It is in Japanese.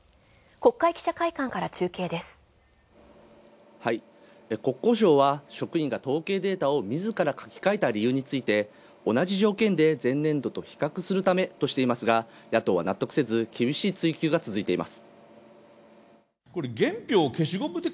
国交省は職員が統計データを自ら書き換えた問題で同じ条件で前年度と比較するためとしていますが、野党は納得せず追及が続いています。